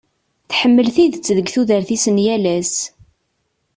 Tḥemmel tidet deg tudert-is n yal ass.